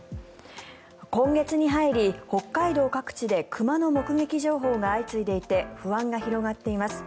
今月に入り北海道各地で熊の目撃情報が相次いでいて不安が広がっています。